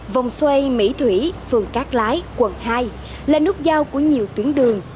vòng xoay mỹ thủy phường cát lái quận hai là nút giao của nhiều tuyến đường